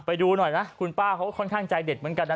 ไปดูหน่อยนะคุณป้าเขาก็ค่อนข้างใจเด็ดเหมือนกันนะ